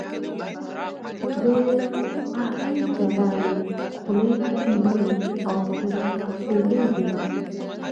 او د قهوې پياله یې خولې ته نیولې، اوتر اپرېدی دی.